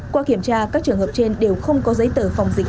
qua kiểm tra các trường hợp trên đều không có giấy tờ phòng dịch